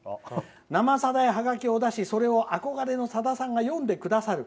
「生さだ」へハガキを出しそれを憧れのさださんが読んでくださる。